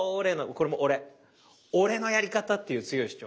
これも俺俺のやり方っていう強い主張。